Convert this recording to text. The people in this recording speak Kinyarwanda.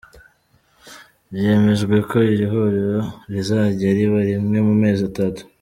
Byemejwe ko iri huriro rizajya riba rimwe mu mezi atatu.